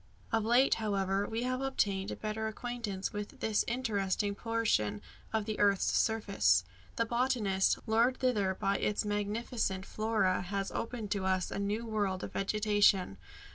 Of late, however, we have obtained a better acquaintance with this interesting portion of the earth's surface. The botanist, lured thither by its magnificent flora, has opened to us a new world of vegetation.